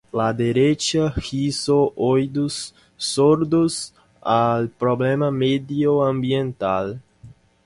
La derecha hizo oídos sordos al problema medioambiental